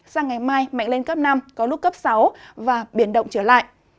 sang ngày mai mạnh lên cấp năm có lúc cấp sáu và biển động trở lại